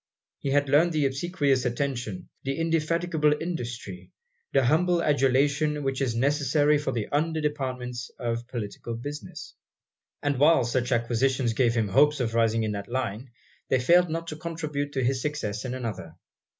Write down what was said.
He had learned the obsequious attention, the indefatigable industry, the humble adulation which is necessary for the under departments of political business: and while such acquisitions gave him hopes of rising in that line, they failed not to contribute to his success in another.